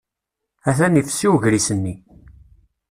Atan ifessi ugris-nni.